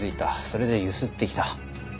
それでゆすってきた。